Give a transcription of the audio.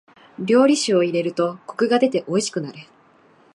料理酒を入れるとコクが出ておいしくなる。